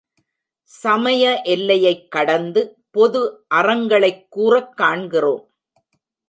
சமய எல்லையைக் கடந்து பொது அறங்களைக் கூறக் காண்கிறோம்.